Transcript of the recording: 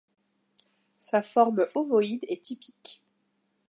Sa forme ovoïde est typique.